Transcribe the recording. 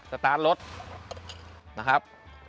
สตาร์ทรถนะครับ